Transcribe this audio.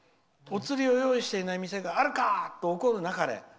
お釣りを用意していない店があるか！と怒るなかれ。